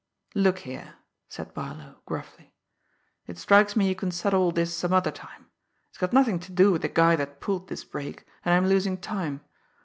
"Look here!" said Barlow gruffly. "It strikes me you can settle all this some other time. It's got nothing to do with the guy that pulled this break, and I'm losing time.